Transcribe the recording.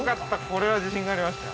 これは自信がありました。